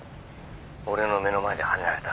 俺の目の前ではねられた。